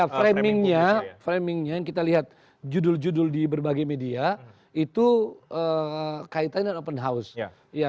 framingnya framingnya yang kita lihat judul judul di berbagai media itu kaitannya dengan open house